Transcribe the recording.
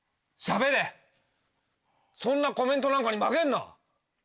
そんなコメントなんかに負けんな。